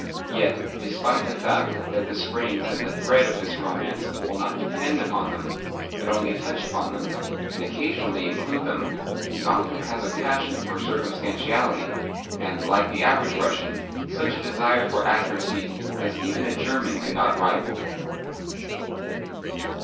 Yet, despite the fact that the springs and the thread of this romance will not DEPEND upon them, but only touch upon them, and occasionally include them, the author has a passion for circumstantiality, and, like the average Russian, such a desire for accuracy as even a German could not rival.